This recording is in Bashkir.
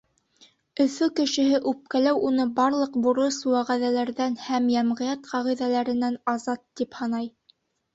Өфө кешеһе үпкәләү уны барлыҡ бурыс-вәғәҙәләрҙән һәм йәмғиәт ҡағиҙәләренән азат тип һанай.